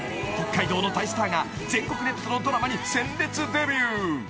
［北海道の大スターが全国ネットのドラマに鮮烈デビュー］